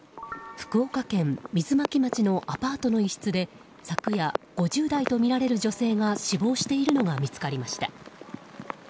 福岡県水巻町のアパートの一室で昨夜、５０代とみられる女性が死亡しているのが見つかりました。